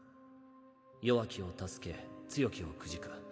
弱きを助け強きをくじく。